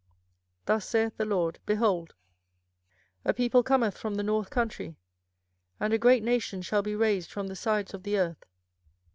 24:006:022 Thus saith the LORD, Behold, a people cometh from the north country, and a great nation shall be raised from the sides of the earth.